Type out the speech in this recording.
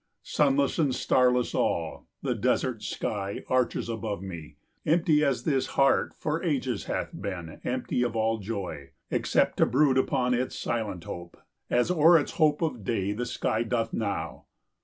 Sunless and starless all, the desert sky Arches above me, empty as this heart 10 For ages hath been empty of all joy, Except to brood upon its silent hope, As o'er its hope of day the sky doth now.